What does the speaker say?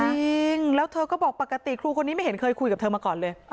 จริงแล้วเธอก็บอกปกติครูคนนี้ไม่เห็นเคยคุยกับเธอมาก่อนเลย